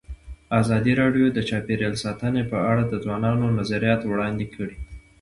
ازادي راډیو د چاپیریال ساتنه په اړه د ځوانانو نظریات وړاندې کړي.